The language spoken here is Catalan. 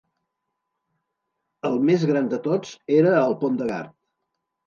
El més gran de tots era el Pont del Gard.